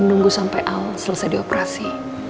nunggu sampe al selesai di operasi